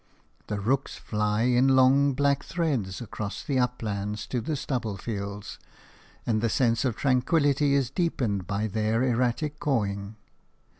The rooks fly in a long black thread across the uplands to the stubble fields, and the sense of tranquillity is deepened by their erratic cawing.